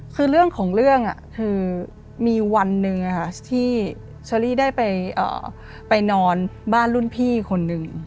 คือเรื่องของเรื่องคือมีวันหนึ่งที่เชอรี่ได้ไปนอนบ้านรุ่นพี่คนนึง